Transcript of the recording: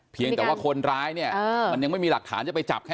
เพียงแต่ว่าคนร้ายเนี่ย